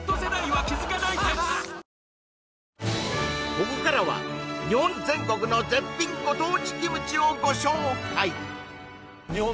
ここからは日本全国の絶品ご当地キムチをご紹介日本